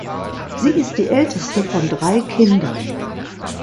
Sie ist die Älteste von drei Kindern.